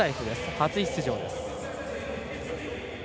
初出場です。